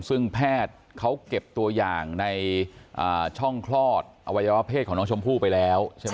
ซึ่งแพทย์เขาเก็บตัวอย่างในช่องคลอดอวัยวะเพศของน้องชมพู่ไปแล้วใช่ไหม